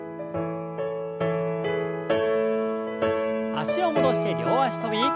脚を戻して両脚跳び。